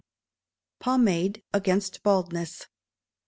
Pomade against Baldness.